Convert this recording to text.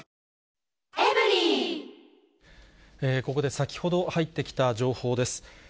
ここで先ほど入ってきた情報です。